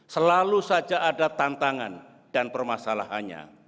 selalu saja ada tantangan dan permasalahannya